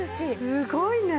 すごいね！